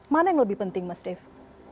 mana yang lebih penting mas dev